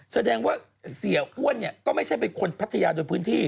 แสดงว่าเสียอ้วนเนี่ยก็ไม่ใช่เป็นคนพัทยาโดยพื้นที่